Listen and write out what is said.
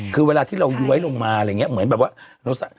คือเวลาที่เราย้วยลงมาอะไรอย่างนี้เหมือนแบบว่า